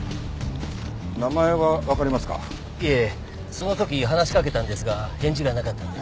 その時話しかけたんですが返事がなかったので。